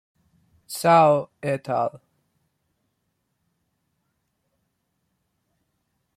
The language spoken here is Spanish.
Zhao "et al.